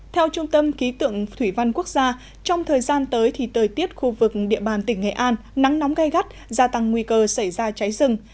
theo trung tâm ký tượng thủy văn quốc gia trong thời gian tới thì tời tiết khu vực địa bàn tỉnh nghệ an nắng nóng gai gắt gia tăng nguy cơ xảy ra cháy rừng